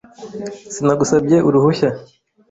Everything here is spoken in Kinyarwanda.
Sinagusabye uruhushya .